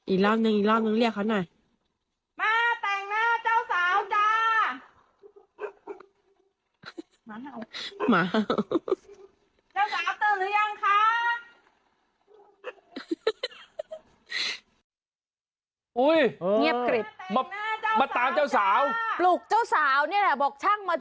อีกรอบนึงอีกรอบนึงเรียกเขาหน่อย